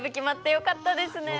よかったです。